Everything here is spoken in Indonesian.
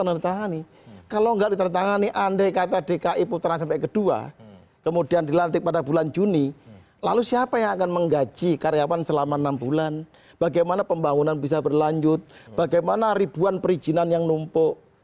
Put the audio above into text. nah kalau nggak ditertangani andai kata dki putaran sampai kedua kemudian dilantik pada bulan juni lalu siapa yang akan menggaji karyawan selama enam bulan bagaimana pembangunan bisa berlanjut bagaimana ribuan perizinan yang numpuk